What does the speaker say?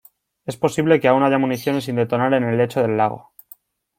Es posible que aún haya municiones sin detonar en el lecho del lago.